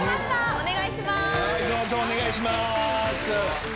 お願いします。